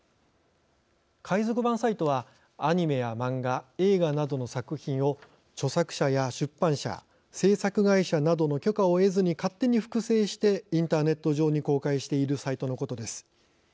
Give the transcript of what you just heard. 海賊版サイトはアニメや漫画映画などの作品を著作者や出版社製作会社などの許可を得ずに勝手に複製してインターネット上に公開しているサイトのことです。